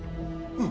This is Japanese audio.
うん？